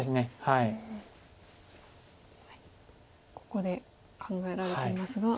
ここで考えられていますが。